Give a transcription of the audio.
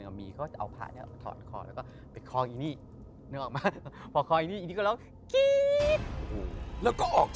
นึกถึงผีแล้ว